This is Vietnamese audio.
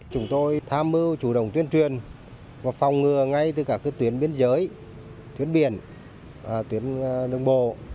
chúng tôi tham mưu chủ động tuyên truyền và phòng ngừa ngay từ các tuyến biên giới tuyến biển tuyến đường bộ